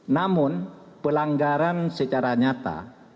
namun pelanggaran secara nyata